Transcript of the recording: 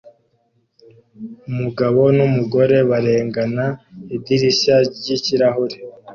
umugabo numugore barengana idirishya ryikirahure